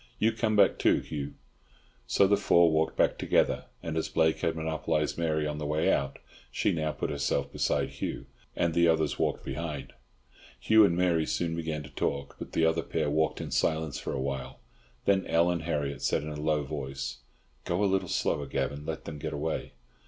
You come back too, Hugh." So the four walked back together, and as Blake had monopolised Mary on the way out, she now put herself beside Hugh, and the others walked behind. Hugh and Mary soon began to talk, but the other pair walked in silence for a while. Then Ellen Harriott said in a low voice, "Go a little slower, Gavan. Let them get away."